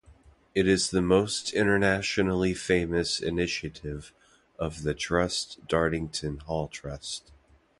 It is the most internationally famous initiative of The Dartington Hall Trust.